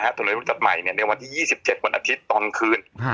จะเรียบร้อยทุกวันตัดใหม่ในวันที่๒๗วันอาทิตย์ตอนคืน